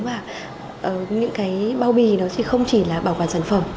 và những cái bao bì nó chỉ không chỉ là bảo quản sản phẩm